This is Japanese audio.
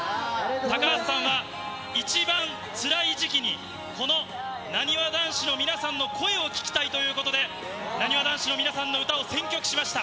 高橋さんが一番つらい時期に、このなにわ男子の皆さんの声を聞きたいということで、なにわ男子の皆さんの歌を選曲しました。